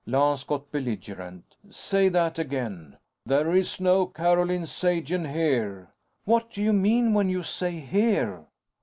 Lance got belligerent. "Say that again!" "There is no Carolyn Sagen here." "What d'you mean, when you say 'here'?"